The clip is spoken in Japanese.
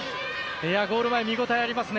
ゴール前見応えありますね。